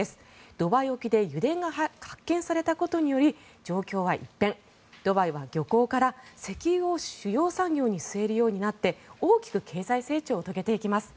ドバイ沖で油田が発見されたことにより状況は一変ドバイは漁港から石油を主要産業に据えるようになって大きく経済成長を遂げていきます。